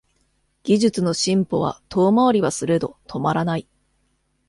技術の進歩は遠回りはすれど止まらない